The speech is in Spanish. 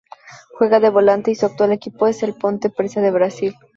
Juega de volante y su actual equipo es el Ponte Preta de Brasil.